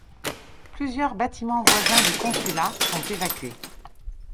Plusieurs bâtiments voisins du consulat sont évacués.